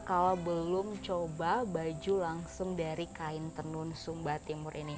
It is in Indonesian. kalau belum coba baju langsung dari kain tenun sumba timur ini